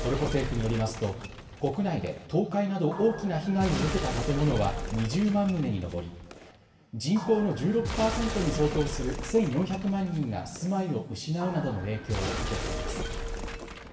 トルコ政府によりますと国内で倒壊など大きな被害を受けた建物は２０万棟に上り人口の１６％に相当する１４００万人が住まいを失うなどの影響を受けています。